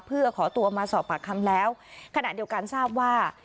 เพื่อขอตัวมาสอบปากคำแล้วขณะเดียวกันทราบว่า